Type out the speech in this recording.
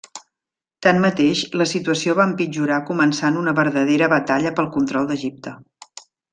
Tanmateix, la situació va empitjorar començant una verdadera batalla pel control d'Egipte.